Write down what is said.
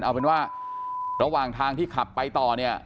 เอาเป็นว่าระหว่างทางที่ขับไปต่อเนี่ย